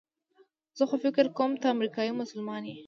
زه خو فکر کوم ته امریکایي مسلمانه یې.